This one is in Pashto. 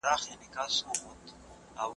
څک څک.